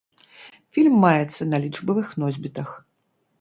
Фільм маецца на лічбавых носьбітах.